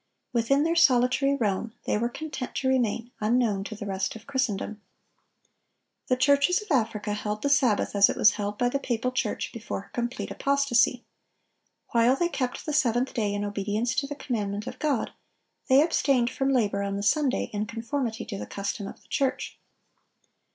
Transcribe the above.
Within their solitary realm they were content to remain, unknown to the rest of Christendom. The churches of Africa held the Sabbath as it was held by the papal church before her complete apostasy. While they kept the seventh day in obedience to the commandment of God, they abstained from labor on the Sunday in conformity to the custom of the church.